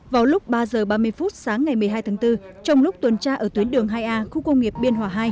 vào lúc ba h ba mươi phút sáng ngày một mươi hai tháng bốn trong lúc tuần tra ở tuyến đường hai a khu công nghiệp biên hòa hai